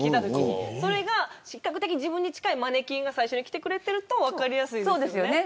それが比較的自分に近いマネキンが最初に着てくれていると分かりやすいですよね。